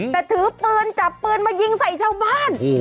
แต่ถือปืนจับปืนมายิงใส่ชาวบ้าน